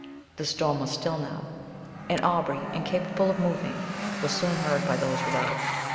The storm was now still; and Aubrey, incapable of moving, was soon heard by those without.